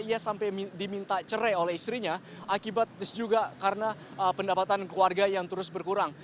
ia sampai diminta cerai oleh istrinya akibat juga karena pendapatan keluarga yang terus berkurang